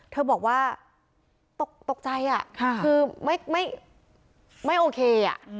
เธอบอกว่าตกใจค่ะคือไม่ครับ